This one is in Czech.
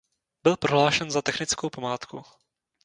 Byl prohlášen za technickou památku.